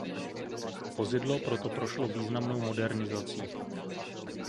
Vozidlo proto prošlo významnou modernizací.